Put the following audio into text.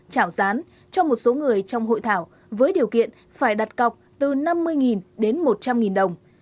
trảo dán cho một số người trong hội thảo với điều kiện phải đặt cọc từ năm mươi đến một trăm linh đồng